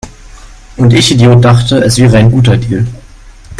Und ich Idiot dachte, es wäre ein guter Deal!